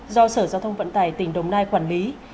do sở giao thông vận tải tỉnh đồng nai quản lý